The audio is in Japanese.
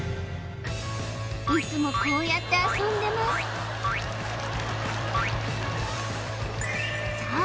いつもこうやって遊んでますさあ